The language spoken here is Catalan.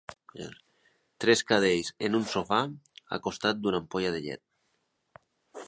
Tres cadells en un sofà al costat d'una ampolla de llet.